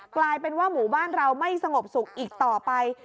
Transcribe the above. กลายเป็นว่าหมู่บ้านเราไม่สงบสุขอีกต่อไป